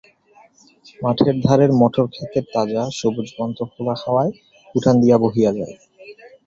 মাঠের ধারের মটর ক্ষেতের তাজা, সবুজ গন্ধ খোলা হাওয়ায় উঠান দিয়া বহিয়া যায়।